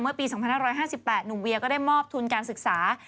เมื่อปี๒๕๕๘หนูเวียก็ได้มอบทุนการศึกษา